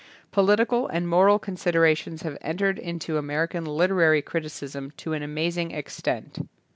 Political and moral considerations have entered into American literary criticism to an amazing extent.